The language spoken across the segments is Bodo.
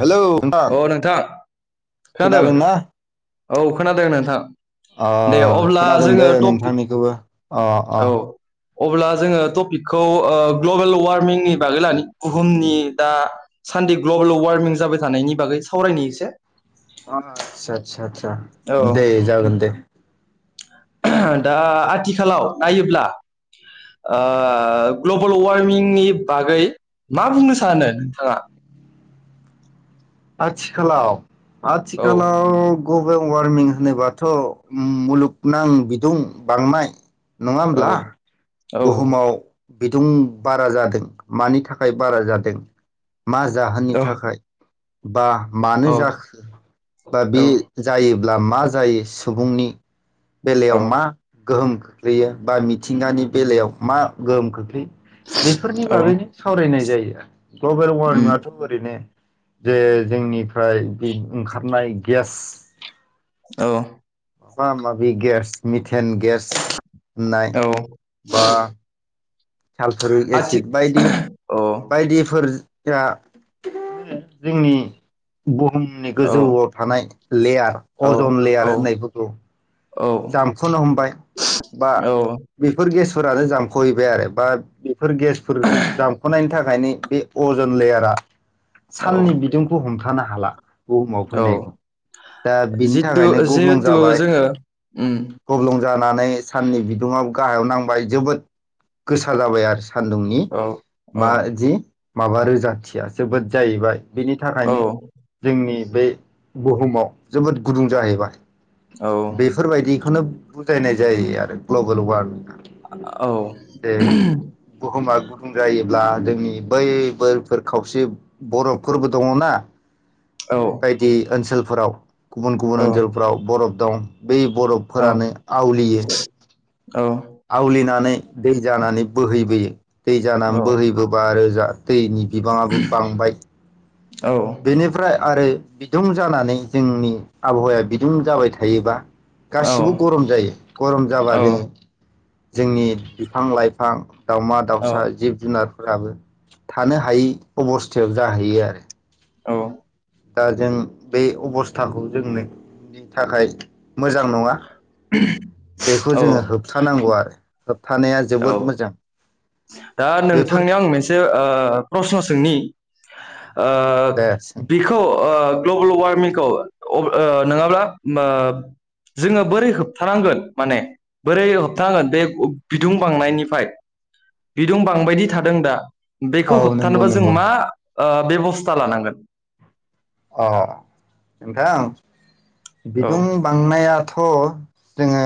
हेलौ नोंथां औ नोंथां खोनादों खोनादोंना औ खोनादों नोंथां अ दे अब्ला खोनादों जोङो दे टपिक नोंथांनिखौबो अह अह औ अब्ला जोङो टपिकखौ ग्लबेल वार्मिंनि बागै लानो बुहुमनि दा सान्दि ग्लबेल वार्मिं जाबाय थानायनि बागै सावरायनि एसे अ आतसा आतसा आसा औ दे जागोन दे [unintelligible] दा आथिखालाव नायोब्ला ओ ग्लबेल वारमिंनि बागै मा बुंनो सानो नोंथाङा आथिखालाव औ आथिखालाव ग्लबेल वारमिं नङा औ होमब्ला औ बुहुमाव बिदुं बारा जादों मानि थाखाय बारा जादों मा जाहोननि औ थाखाय बा मानो औ जाखो बा बे औ जायो ब्ला मा जायो सुबुंनि औ बेलायावमा गोहोम खोख्लैयो बा मिथिंगानि बेलायाव मा गोहोम खोख्लैयो बेफोरनि औ बागैनो सावरायनाय जायो ग्लबेल उम वारमिंआथ' ओरैनो जे जोंनिफ्राय बे ओंखारनाय गेस औ माबा माबि गस मि हेन गेस होननाय औ बा सालफारिक आथि एसिड बायदि औ बायदिफोर [unintelligible] जोंनि ग फुंनि औ गोजौआव थानाय लेयार औ अजन औ लेयार होननायफोरखौ औ जामख'नो हमबाय बा औ बेफोर गेस फोरानो जामख'हैबाय आरो बा बेफोर गेसफोर जामख'नायनि थाखायनो बे अजन लेयारा औ साननि बिदुंखौ हम थानो हाला बुहुमाव औ फैनायखौ दा बिनि जिथु थाखायनो गब्लं जिहेथु जाबाय जोङो उम गब्लं जानानै साननि बिदुङाव गाहायाव नांबाय जोबोद गोसा जाबाय आरो सान्दुंनि औ औ बा जि माबा रोजाथिया जोबोद जाहैबाय बेनि औ थाखायनो जोंनि बे बुहुमाव जोबोद गुदुं जाहैबाय। औ बेखोनो बुजायनाय जायो आरो ग्लबेल वारमिंखो औ बे बुहुमा गुदुं जायोब्ला जोंनि बै बोरफोर खावसे बर'फोरबो दङना औ बायदि ओनसोल फोराव गुबुन गुबुन औ ओनसोलफ्राव बरफ दं बे औ बरफफोरानो आवलियो। औ आवलिनानै दै जानानै बोहैबोयो। दै जानानै बोहैबोबा रोजा ओ दैनि बिबाङाबो बांबाय। बेनिफ्राय आरो बिदुं जानानै जोंनि आबहावाया बिदुं जाबाय थायोबा औ गासिबो गरम जायो गरम जाबा जोङो जोंनि बिफां लाइफां दाउमा दाउसा जिब जुनार फोराबो थानो हायै अबस्थायाव जाहैयो आरो औअ दा जों बे अबस्थाखौ जोंनि नि थाखाय मोजां नङा। बेखौ जोङो औ होबथानांगौ आरो थानाया जोबोद मोजां। दा बेफोर नोंथांनियाव आं मोनसे ओ प्रसन' सोंनि [inaudible] ओ दायासै बिखौ ओ ग्लबेल वारमिंखौ ओ नोङाब्ला मोब जोङो बोरै होबथानांगोन माने बोरै होबथानांगोन बे बिदुं बांनायनिफ्राय बिदुं बांबायदि थादों दा बेखौ औ नंगौ होबथानोबा जों नंगौ मा ओ बेब'स्था लानांगोन अह नोंथां औ बिदुं बांनाया थ' जोङो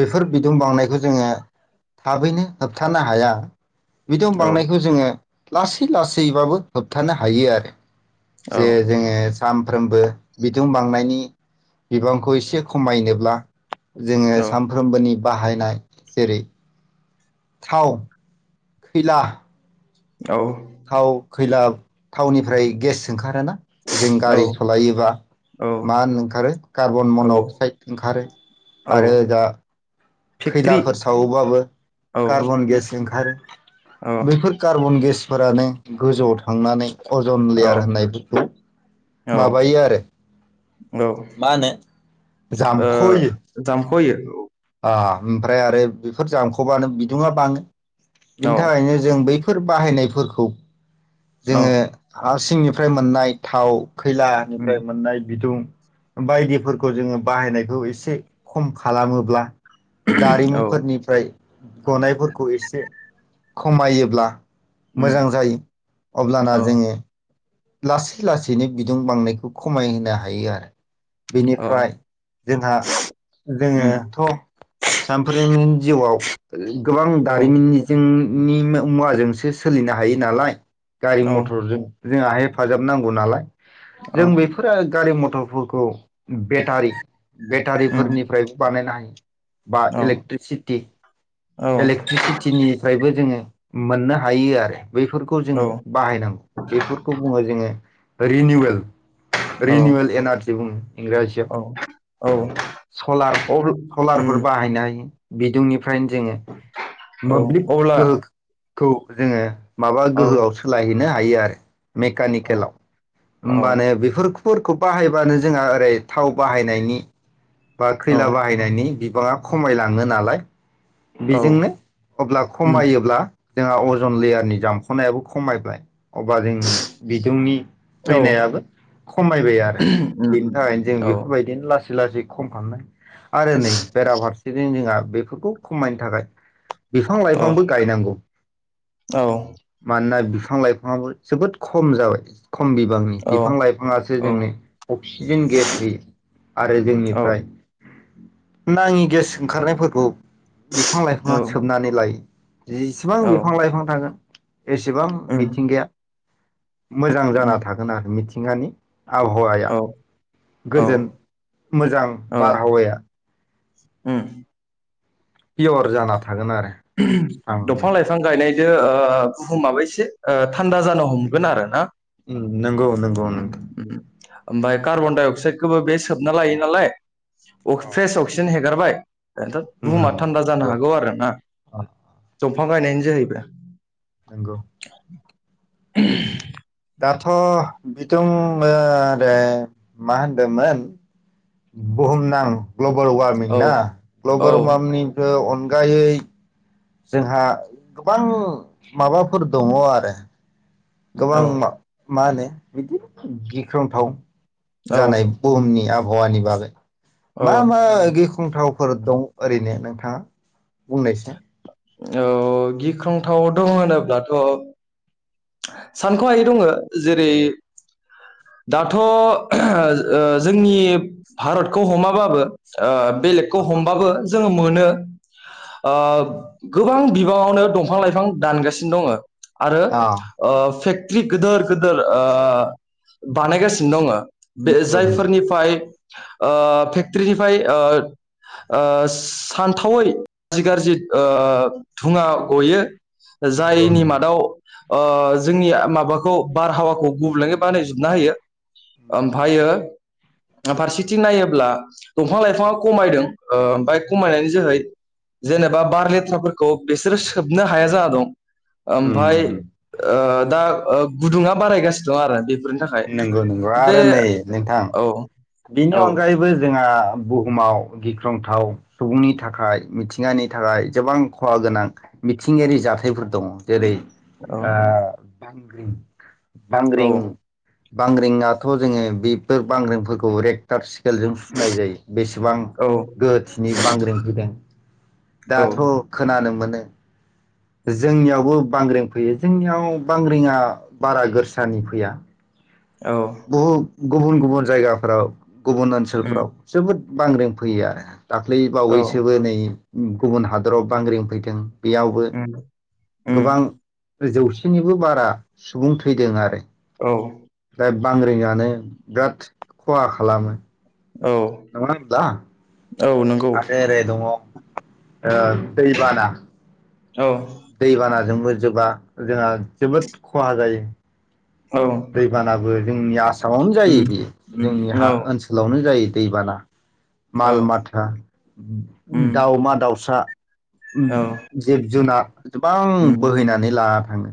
बेफोर बिदुं बांनायखौ जोङो थाबैनो होबथानो हाया। बिदुं औ बांनायखौ जोङो लासै लासैबाबो होबथानो हायो आरो औ जे जोंङो सानफ्रोमबो बिदुं बांनायनि बिबांखौ एसे खमायनोब्ला जोंङो औ सामफ्रोमबोनि बाहायनाय जेरै थाव, खैला, औ थाव, खैला थावनिफ्राय गेस ओंखारो ना जों औ गारि सलायोबा औ मा होनो ओंखारो कार्बन औ मन' अक्साइड ओंखारो औ आरो ओजा- फेक्ट्रि खैलाफोर सावोबाबो औ कार्बन गेसजों ओंखारो बेफोर कार्बन गेस फोरानो गोजौआव थांनानै अजन औ लेयार होननाय बुङो औ माबायो आरो ओ मा होनो जामखहोयो जामख'यो आ ओमफ्राय आरो बेफोर जामखबानो बिदुङा बाङो औ बिनि थाखायनो जों बै फोर बाहायनायफोरखौ औ जोङो हा सिंनि'- फ्राय मोननाय थाव, उम खैलानिफ्राय मोननाय बिदुं बायदिफोरखौ जोङो बाहायनायखौ एसे खम खालामोब्ला औ दारिमिनफोरनिफ्राय गनायफोरखौ एसे खमायोब्ला उम मोजां जायो अब्लाना औ जोङो लासै लासैनो बिदुं बांनायखौ खमायहोनो हायो आरो औ बेनिफ्राय जोंहा उम जोङोथ सामफ्रोम जिउआव गोबां औ दारिमिननिजों नि मुवाजोंसो सोलिनो हायो नालाय गारि औ मथरजों जोंआहाय हेफाजाब नांगौ नालाय। औ जों बेफोरो गारि म गथ'फोरखौ बेटारि उम बेटारिफोरनिफ्रायबो बानायनाय बा औ इलेक्ट्रिसिटि औ इलेक्ट्रिसिटिनिफ्रायबो जोङो मोननो हायो आरो। बेफोरखौ औ जोङो बाहायनांगौ बेफोर खौ बुङो जोङो रिनिवेल औ रिनिवेल इनारजि बुङो। इंराजियाव औ औ सलार अब्ला उम सलारफोर बाहायनो हायो। बिदुंनि कारेनजों औ मोब्लिब अब्ला गोहो खौ जोङो माबा औ गोहोआव सोलायहोनो हायो आरो। मेकानिकेलाव औ होमबानो बेफोर फोरखौ बाहायबानो जोंहा ओरै थाव बाहायनायनि बा औ खैला बाहायनायनि गोबाङा खमायलाङो नालाय औ औ बेजोंनो अब्ला उम खमायोब्ला जोंहा अजन लेयारनि जामख'नायाबो खमायबाय अब्ला जों बिदुंनि औ फैनायाबो खमायबाय आरो उम बेनि उम थाखायनो जों औ बेफोरबायदिनो लासै लासै ख'म खालामनाय आरो नै बेराफार थिं जोंहा बेफोरखौ खमायनो थाखाय बिफां औ लाइफांबो गायनांगौ औ मानोना बिफां लाइफाङाबो जोबोद खम जाबाय। खम बिबांनि औ बिफां लाइफाङासो जोंनो अक्सिजेन गेस होयो आरो औ जोंनिफ्राय नाङि गेस ओंखारनायफोरखौ बिफां औ लाइफाङा सोबनानै लायो। जेसिबां बिफां लाइफां थागोन एसेबां उम मिथिंगाया मोजां जाना उम थागोन आरो मिथिं गानि आबहावाया औ गोजोन मोजां औ बारहावाया उम। पियर जाना था दंफां लाइफां गायनाय बियो ओ बुहुमाबो एसे ओ थान्दा जानो हमगोन आरो ना। नोंगौ नोंगौ नोंगौ। ओमफाय कार्बन डाइअक्साइडखौबो बे सोबना लायो नालाय अ अक्स-फ्रेस अक्सिजेन हेगारबाय एन्थ' बुहुमा थान्दा जानो हागौ आरो ना। आह दंफां गायनायनि जाहैबाय नोंगौ। [unintelligible] दाथ' बिथों ओ रे मा होन्दोंमोन बुहुम नां ग्लबेल वार्मिं औ ना औ ग्लबेल वार्मिंगखौ अन गायै जोंहा गोबां माबाफोर दङ' आरो। गोबां औ मा मा होनो बिदि गिख्रंथाव औ जानाय बुहुमनि आब हावानि बागै औ मा मा गिख खुंथावफोर दं ओरैनो नोंथाङा बुंनायसे। औ गिख्रंथाव दङ होनोब्लाथ' सानख'हायै दङ' जेरै दाथ' जोंनि भारतखौ हमाबाबो ओ बेलेगखौ हमबाबो जोङो मोनो ओब गोबां बिबाङावनो दंफां लाइफां दानगासिनो दङ' आरो अ ओ फेक ट्री गिदोर गिदोर बानायगासिनो दङ'। बे नंगौ नंगौ जायफोरनिफाय ओ फेक्टर्रिनिफ्राय ओ ओ सानथावै गाज्रि गाज्रि ओ । ओ धुङा गयो । नंगौ जायनि नंगौ मादाव ओ जोंनि माबाखौ बारहावाखौ गुबुंले बानायजोबना हायो । ओमफ्रायो फारसेथिं नायोब्ला दंफां लाइफाङा खमायदों ओमफ्राय खमायनायनि जोहै जेनेबा बार लेथ फोरखौ बिसोरो सोबनो हाया जाना दं । ओमफ्राय ओ दा । ओ गुदुं आ बारायगासिनो दं आरो बे बेफोरनि थाखाय नंगौ नंगौ आरो नै नोंथां औ बेनि औ अनगायैबो जोंहा बुहुमाव गिख्रंथाव सुबुंनि थाखाय मिथिंगानि थाखाय गोबां खहा गोनां मिथिंगायारि जाथायफोर दङ। जेरै औ ओ बांग्रिं औ बांग्रिं, बांग्रिंङाथ' जोङो बेफोर बांग्रिंफोरखौ रेकटा सकेलजों सुनाय जायो बेसेबां औ गोहो थिनि बांग्रिं फैगोन । औ दाथ' खोनानो मोननो । जोंनियाव बो बांग्रिं फैयो जोंनियाव बांग्रिं आ बारा गोसानि फैया । औ बुहु गुबुन गुबुन जायगाफ्राव गुबुन उम ओनसोलफ्राव जोबोद । बांग्रि फैयो आरो। दाख्लै औ बावैसोबो नै गुबुन हादोराव बांग्रिं फैदों। बेयावबो उम उम गोबां । जौसेनिबो बारा सुबुं थैदों आरो । औ दा बांग्रिं आनो बिराद खहा खालामो । औ [unintelligible] आरो औ नंगौ ओरै दङ । ओ दैबाना! औ दैबानाजोंबो जोंहा जोबोद खहा जायो । औ दैै बाना बो जोंनि आसा आसामावनो जायो उम बियो उम जोंनि हा औ ओनसोलावनो जायो। दैबाना। औ माल माथा उम दावमा दाउसा। औ जिब जुनार गोबां उम बोहैनानै लाना‌ थाङो।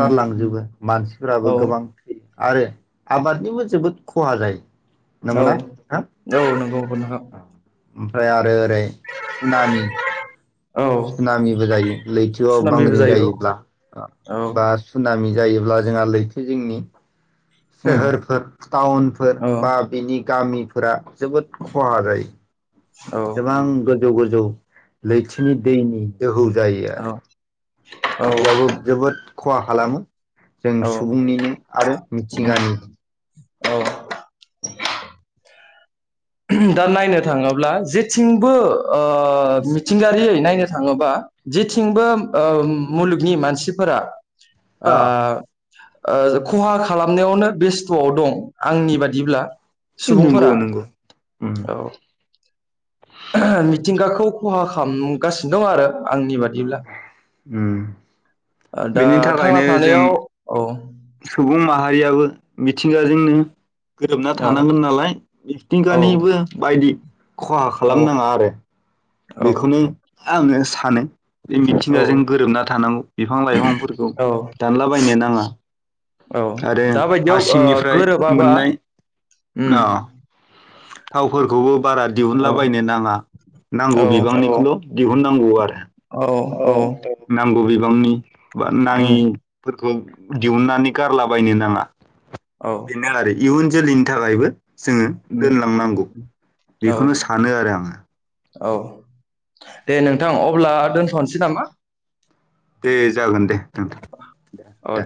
उम मानसि। फोराबो औ गोबां आरो आबादनिबो जोबोद खहा जायो। औ नंगौना नोंथां औ नंगौ नोंथां। ओमफ्राय आरो ओरै सुनामि। औ सुनामिबो जायो लैथोआव सुनाम बेबो बांग्रिं जायो जायोब्ला औ औ बा सुनामि जायोब्ला जोंहा लैथो जिंनि उम सोहोरफोर टाउनफोर औ बा बिनि गामिफोरा। जोबोद खहा जायो। औ जेसेबां गोजौ गोजौ लैथिनि दैनि दौहौ जायो आरो। औ औ बेयावबो जोबोद खहा खालामो जों औ सुबुंनिनो आरो। मिथिंगानि। औ। दा नायनो थाङोब्ला जेथिंबो ओ मिथिंगायारियै नायनो थाङोबा जेथिंबो ओ मुलुगनि मानसिफोरा ओ ओ खहा खालामनायावनो बेस्थ'आव दं आंनि बादिब्ला। नंगौ सुबुंफोरा नंगौ। उम औ। मिथिंगाखौ खहा खालामगासिनो दं आरो। आंनि बादिब्ला। उम। ओ दा थांना थानायाव औ। सुबुं माहारियाबो मिथिंगाजोंनो गोरोबना औ थानांगोन नालाय औ मिथिंगानिबो बायदि खहा औ खालामनाङा आरो। औ बेखौनो। आङो सानो। औ मिथिंगाजों गोरोबना थानांगौ बिफां लाइफांफोरखौ औ दानलाबायनो नाङा औ आरो दाबायदियाव ओ हासिंनिफ्राय गोरोबाबा मोननाय। उम थावफोरखौबो बारा औ दिहुनलाबायनो नाङा नांगौ औ बिबांनिखौल'। दिहुननांगौ आरो। औ नांगौ बि बांनि बा उम नाङिफोरखौ दिहुननानै गारलाबायनो नाङा। औ [unintelligible] इयुन जोलैनि थाखायबो जोङो उम दोनलांनांगौ औ बेखौनो सानो आरो आङो। औ दे नोंथां अब्ला दोनथ'नोसै नामा? दे जागोन दे दोनथ' दे दे।